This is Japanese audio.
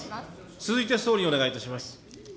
続いて総理、お願いいたします。